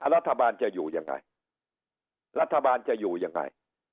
แล้วรัฐบาลจะอยู่ยังไง